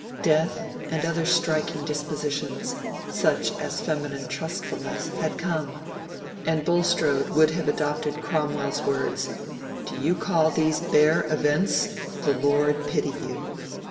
Death and other striking dispositions, such as feminine trustfulness, had come; and Bulstrode would have adopted Cromwell's words—"Do you call these bare events? The Lord pity you!"